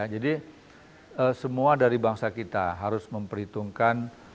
jadi semua dari bangsa kita harus memperhitungkan